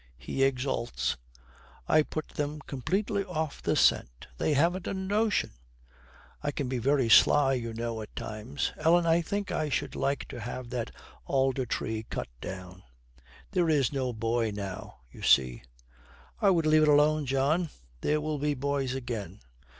He exults. 'I put them completely off the scent! They haven't a notion! I can be very sly, you know, at times. Ellen, I think I should like to have that alder tree cut down. There is no boy now, you see.' 'I would leave it alone, John. There will be boys again.